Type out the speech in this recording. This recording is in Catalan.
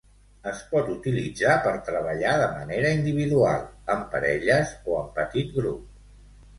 Es pot utilitzar per treballar de manera individual, en parelles o en petit grup.